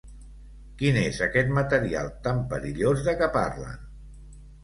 Quin és aquest material tan perillós de què parlen?